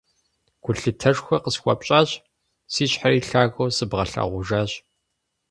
Гулъытэшхуэ къысхуэпщӀащ, си щхьэри лъагэу сыбгъэлъэгъужащ.